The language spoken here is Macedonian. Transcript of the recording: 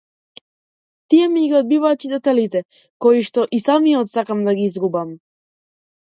Тие ми ги одбиваат читателите коишто и самиот сакам да ги изгубам.